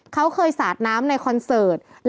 เขาเคยสาดน้ำในคอนเสิร์ต